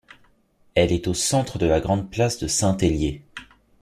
Elle est au centre de la grande place de Saint-Hélier.